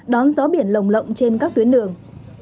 đón gió biển lồng lộng trên các tuyến đường